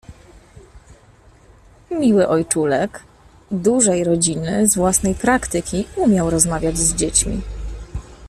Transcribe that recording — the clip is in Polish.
Miły ojczulek Dużej Rodziny z własnej praktyki umiał rozmawiać z dziećmi.